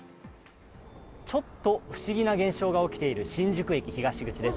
ちょっと不思議な現象が起きている新宿駅東口です。